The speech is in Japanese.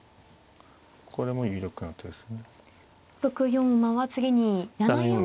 ６四馬は次に７四に。